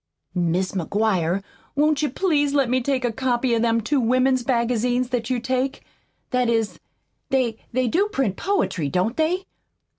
"Mis' McGuire, won't you please let me take a copy of them two women's magazines that you take? That is, they they do print poetry, don't they?"